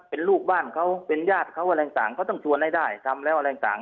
เป็นลูกบ้านเขาเป็นญาติเขาอะไรต่างเขาต้องชวนให้ได้ทำแล้วอะไรต่าง